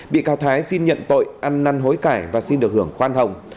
bị cáo thái xin nhận tội ăn năn hối cải và xin được hưởng khoan hồng